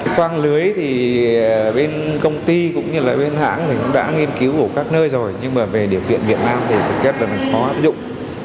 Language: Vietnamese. khoang lưới thì bên công ty cũng như là bên hãng cũng đã nghiên cứu ở các nơi rồi nhưng mà về điều kiện việt nam thì thực chất là khó áp dụng